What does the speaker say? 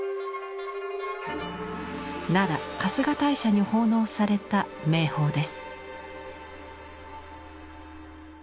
奈良春日大社に奉納された名宝です。